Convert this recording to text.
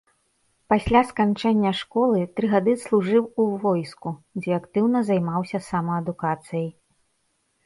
Пасля сканчэння школы тры гады служыў у войскі, дзе актыўна займаўся самаадукацыяй.